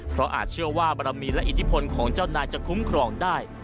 เพราะอาจเชื่อว่าบารมีและอิทธิพลของเจ้านายจะคุ้มครองได้